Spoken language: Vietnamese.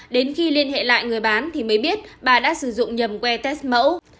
đến khi liên hệ lại người bán thì mới biết bà đã sử dụng nhầm we test mẫu